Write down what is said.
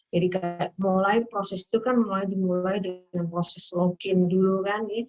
jadi proses itu kan mulai mulai dengan proses login dulu kan